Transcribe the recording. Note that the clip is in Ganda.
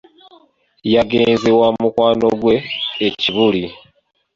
yagenze wa mukwano gwe e Kibuli.